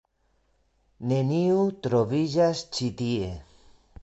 Neniu troviĝas ĉi tie.